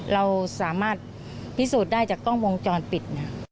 เราสามารถพิสูจน์ได้จากกล้องวงจรปิด